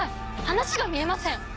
話が見えません！